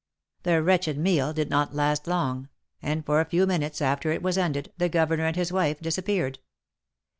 The wretched meal did not last long, and for a few minutes after it was ended, the governor and his wife disappeared.